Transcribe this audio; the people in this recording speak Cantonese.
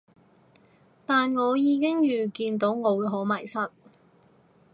但我已經預見到我會好迷失